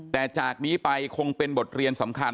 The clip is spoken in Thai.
แต่จากนี้ไปคงเป็นบทเรียนสำคัญ